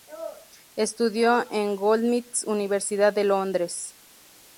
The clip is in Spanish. Estudió en Goldsmiths, Universidad de Londres.